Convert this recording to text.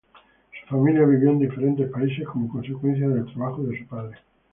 Su familia vivió en diferentes países como consecuencia del trabajo de su padre.